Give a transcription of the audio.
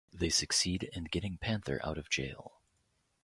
They succeed in getting Panther out of jail.